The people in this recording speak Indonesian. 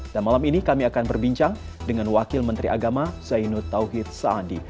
dan malam ini kami akan berbincang dengan wakil menteri agama zainul tauhid saadi